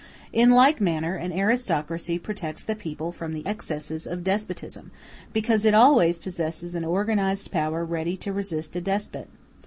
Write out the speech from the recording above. In like manner an aristocracy protects the people from the excesses of despotism, because it always possesses an organized power ready to resist a despot.